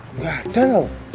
nggak ada lho